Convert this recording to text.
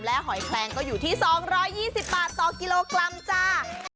หอยแคลงก็อยู่ที่๒๒๐บาทต่อกิโลกรัมจ้า